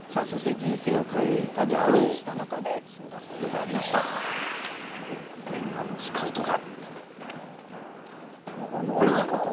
人生を変えたであろう念願のスカウトが。